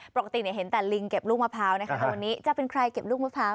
ปกติเห็นแต่ลิงเก็บลูกมะพร้าวนะคะแต่วันนี้จะเป็นใครเก็บลูกมะพร้าว